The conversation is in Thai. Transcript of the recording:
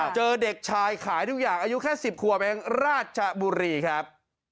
เจอเด็กชายขายทุกอย่างอายุแค่๑๐ขวบเองราชบุรีครับ